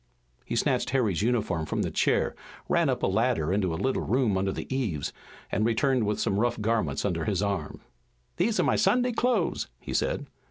He snatched Harry's uniform from the chair, ran up a ladder into a little room under the eaves, and returned with some rough garments under his arm. "These are my Sunday clothes," he said.